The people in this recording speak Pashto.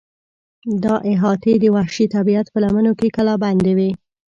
دا احاطې د وحشي طبیعت په لمنو کې کلابندې وې.